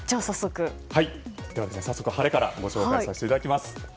早速、晴れからご紹介させていただきます。